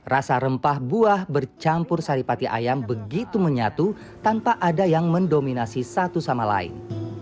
rasa rempah buah bercampur saripati ayam begitu menyatu tanpa ada yang mendominasi satu sama lain